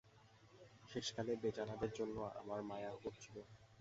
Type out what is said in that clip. শেষকালে বেচারাদের জন্যে আমার মায়া করছিল।